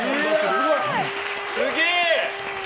すげえ！